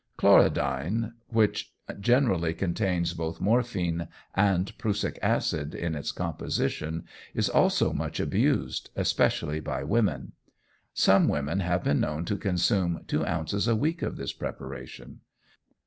Chlorodyne, which generally contains both morphine and prussic acid in its composition, is also much abused, especially by women. Some women have been known to consume two ounces a week of this preparation.